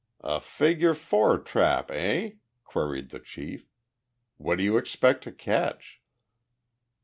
"A figure four trap, eh?" queried the chief. "What do you expect to catch?"